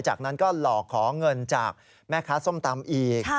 จากนั้นก็หลอกขอเงินจากแม่ค้าส้มตำอีก